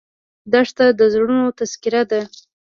دښته د زړونو تذکره ده.